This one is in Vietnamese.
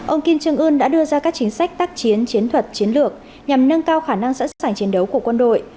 ông kim trương ưn đã đưa ra các chính sách tác chiến chiến thuật chiến lược nhằm nâng cao khả năng sẵn sàng chiến đấu của quân đội